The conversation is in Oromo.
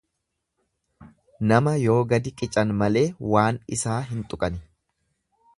Nama yoo gadi qican malee waan isaa hin tuqani.